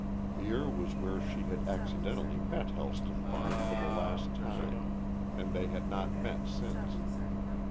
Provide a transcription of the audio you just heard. Here was where she had accidentally met Helston Varne for the last time, and they had not met since.